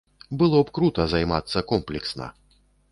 Было б крута займацца комплексна.